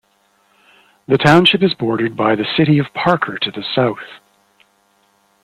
The township is bordered by the city of Parker to the south.